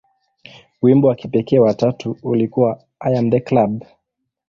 Wimbo wa kipekee wa tatu ulikuwa "I Am The Club".